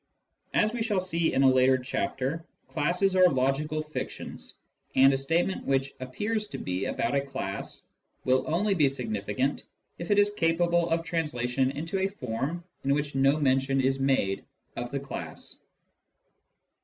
As we shall see in a later chapter, classes are logical fictions, and a statement which appears to be about a class will only be signi ficant if it is capable of translation into a form in which no mention is made of the class.